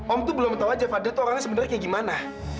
om tuh belum tahu aja fadli tuh orangnya sebenarnya kayak gimana